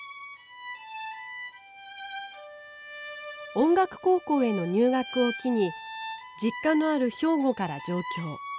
音楽高校への入学を機に実家のある兵庫から上京。